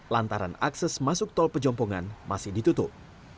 lantaran akses masuk tol pejompongan masih ditutup